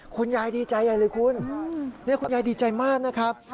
คุณยายดีใจใหญ่เลยคุณนี่คุณยายดีใจมากนะครับ